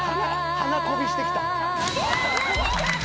花媚びしてきた。